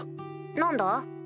何だ？